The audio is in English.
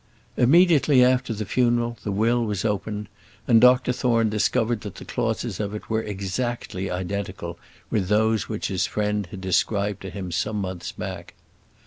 Immediately after the funeral the will was opened, and Dr Thorne discovered that the clauses of it were exactly identical with those which his friend had described to him some months back.